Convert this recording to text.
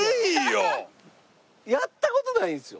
やった事ないんですよ。